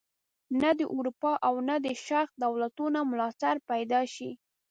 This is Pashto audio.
نه د اروپا او نه د شرق دولتونو ملاتړ پیدا شي.